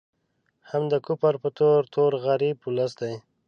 هم د کفر په تور، تور غریب ولس دی